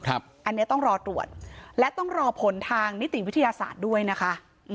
อันนี้ต้องรอตรวจและต้องรอผลทางนิติวิทยาศาสตร์ด้วยนะคะ